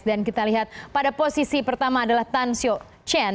dan kita lihat pada posisi pertama adalah tan sio chen